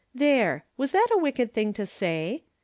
There ! Was that a wicked thing to say?